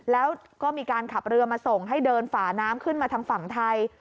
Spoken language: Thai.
แล้วก็มีการขับเรือมาส่งให้เดินฝาน้ำขึ้นมาทางฝั่งไทย